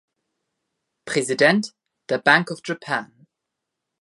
Präsident der Bank of Japan.